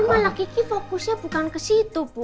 malah kiki fokusnya bukan ke situ bu